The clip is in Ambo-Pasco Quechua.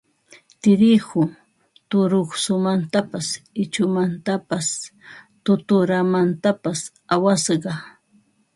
Tirihu turuqsumantapas ichumantapas tuturamantapas awasqa